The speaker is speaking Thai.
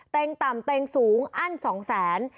ต่ำเต็งสูงอั้น๒แสน